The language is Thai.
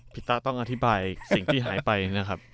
ตะต้องอธิบายสิ่งที่หายไปนะครับ